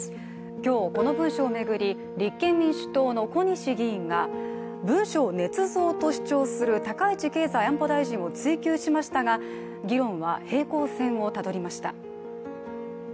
今日、この文書を巡り立憲民主党の小西議員が文書をねつ造と主張する高市経済安保担当大臣を追及しましたが、議論は平行線をたどりました。